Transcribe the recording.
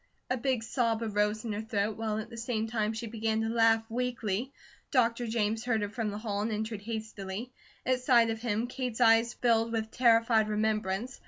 A big sob arose in her throat, while at the same time she began to laugh weakly. Dr. James heard her from the hall and entered hastily. At the sight of him, Kate's eyes filled with terrified remembrance.